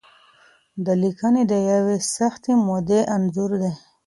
دا لیکنې د یوې سختې مودې انځور دی.